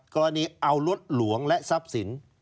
กรณีเอารถหลวงและทรัพย์สิน